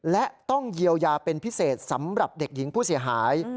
และต้องเยียวยาเป็นพิเศษสำหรับเด็กหญิงผู้เสียหาย